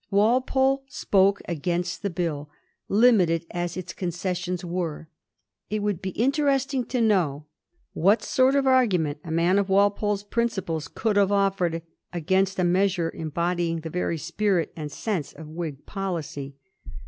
Walpole spoke against the Bill, limited as its concessions were. It would be interesting to know what sort of argument a man of Walpole's principles could have offered against a measure embodying the very spirit and sense of Whig policy.